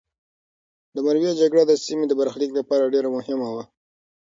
د مروې جګړه د سیمې د برخلیک لپاره ډېره مهمه وه.